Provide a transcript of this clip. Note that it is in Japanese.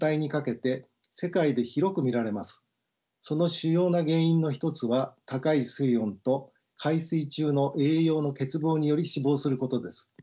その主要な原因の一つは高い水温と海水中の栄養の欠乏により死亡することです。